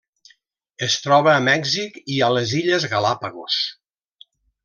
Es troba a Mèxic i a les Illes Galápagos.